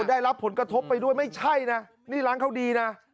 ได้รับผลกระทบไปด้วยไม่ใช่นะนี่ร้านเขาดีนะ